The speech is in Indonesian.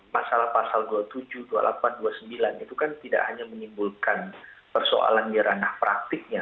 masalah pasal dua puluh tujuh dua puluh delapan dua puluh sembilan itu kan tidak hanya menimbulkan persoalan di ranah praktiknya